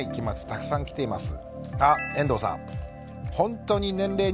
たくさん来ています。